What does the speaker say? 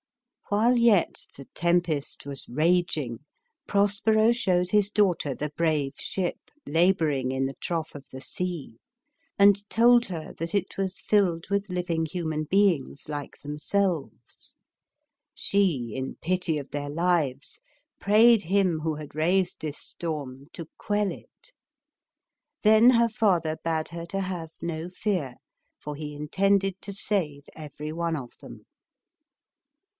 While yet the tempest was raging, Prospero showed his daugh ter the brave ship laboring in the trough of the sea, and told her that it was filled with living human beings like themselves. She, in pity of their lives, prayed him who had raised this storm to quell it. Then her father bade her to have no fear, for he intended to save every one of them.